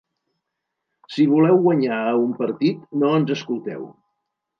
Si voleu guanyar a un partit, no ens escolteu.